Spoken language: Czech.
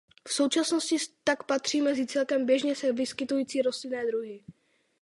V současnosti tak patří mezi celkem běžně se vyskytující rostlinné druhy.